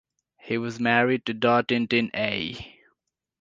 He was married to Daw Tin Tin Aye.